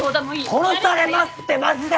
殺されますってマジで！